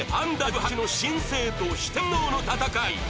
Ｕ−１８の新星と四天王の戦い！